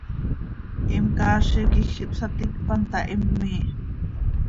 Him caazi quij ihpsaticpan taa him miih.